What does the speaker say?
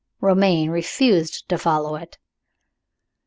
Romayne refused to follow it.